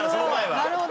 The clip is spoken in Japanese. なるほど。